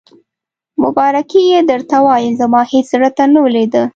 مبارکي یې درته وایم، زما هېڅ زړه ته نه لوېده.